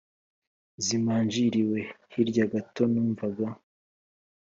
zimanjiriwe hirya gato numvaga